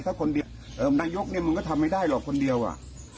ถ้าคนเดียวนายกเนี่ยมันก็ทำไม่ได้หรอกคนเดียวอ่ะ